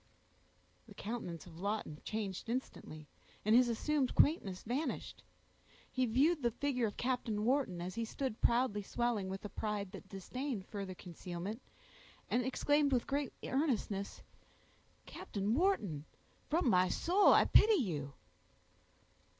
The countenance of Lawton changed instantly, and his assumed quaintness vanished. He viewed the figure of Captain Wharton, as he stood proudly swelling with a pride that disdained further concealment, and exclaimed with great earnestness,— "Captain Wharton, from my soul I pity you!"